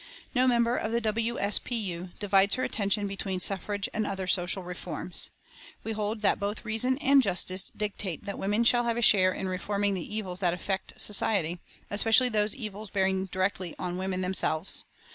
No member of the W. S. P. U. divides her attention between suffrage and other social reforms. We hold that both reason and justice dictate that women shall have a share in reforming the evils that afflict society, especially those evils bearing directly on women themselves.